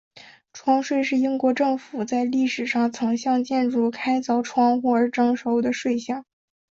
窗税是英国政府在历史上曾向建筑物开凿窗户而征收的税项。